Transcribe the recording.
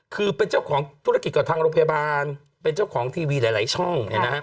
คือเป็นเจ้าของธุรกิจกับทางโรงพยาบาลเป็นเจ้าของทีวีหลายช่อง